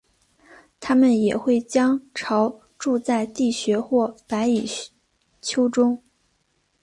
它们也会将巢筑在地穴或白蚁丘中。